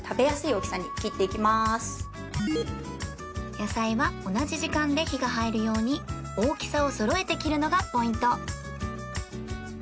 野菜は同じ時間で火が入るように大きさをそろえて切るのがポイント